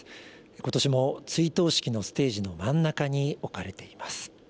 ことしも追悼式のステージの真ん中に置かれています。